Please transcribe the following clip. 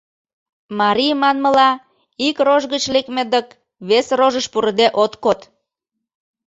Марий манмыла, ик рож гыч лекме дык, вес рожыш пурыде от код.